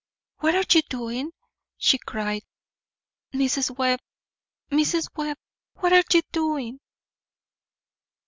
"What are you doing?" she cried. "Mrs. Webb, Mrs. Webb, what are you doing?"